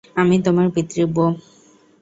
আমি তোমার পিতৃব্য।